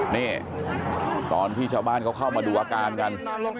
นี่ตอนที่ชาวบ้านเขาเข้ามาดูอาการกัน